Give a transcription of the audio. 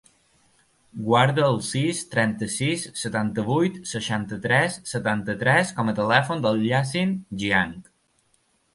Guarda el sis, trenta-sis, setanta-vuit, seixanta-tres, setanta-tres com a telèfon del Yassin Jiang.